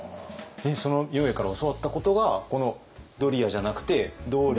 その明恵から教わったことがこのドリアじゃなくてドリ